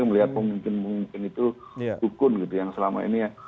melihat pemimpin mungkin itu dukun gitu yang selama ini